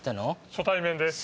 初対面です。